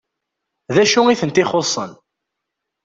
D acu i tent-ixuṣṣen?